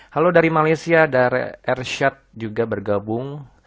halo dari malaysia dari airshad juga bergabung